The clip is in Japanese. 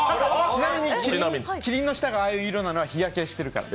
ちなみに、キリンの舌がああいう色なのは日焼けしてるから。